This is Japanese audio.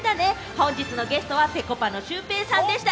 本日のゲストは、ぺこぱのシュウペイさんでした。